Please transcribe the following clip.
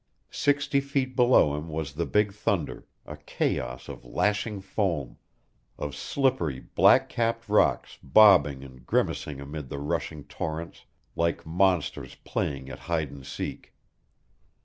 Sixty feet below him was the Big Thunder, a chaos of lashing foam, of slippery, black capped rocks bobbing and grimacing amid the rushing torrents like monsters playing at hide and seek.